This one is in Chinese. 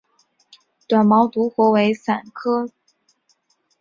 短毛独活为伞形科独活属下的一个变种。